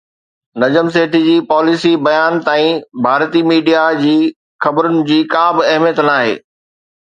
نجم سيٺي جي پاليسي بيان تائين ڀارتي ميڊيا جي خبرن جي ڪا به اهميت ناهي